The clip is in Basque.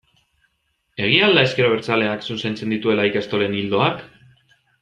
Egia al da ezker abertzaleak zuzentzen dituela ikastolen ildoak?